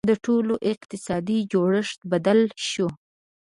• د ټولنو اقتصادي جوړښت بدل شو.